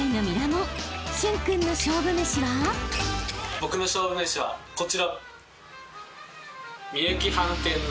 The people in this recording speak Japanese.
僕の勝負めしはこちら。